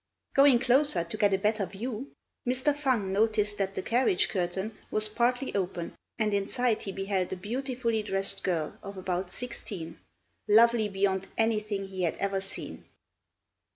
Going closer to get a better view, Mr. Fang noticed that the carriage curtain was partly open, and inside he beheld a beautifully dressed girl of about sixteen, lovely beyond anything he had ever seen.